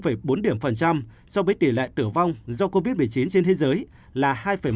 và cao hơn bốn điểm phần trăm so với tỷ lệ tử vong do covid một mươi chín trên thế giới là hai một